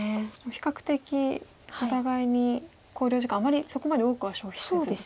比較的お互いに考慮時間をあまりそこまでは多くは消費せず。